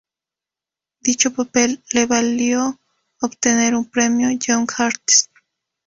Dicho papel le valió obtener un premio Young Artist.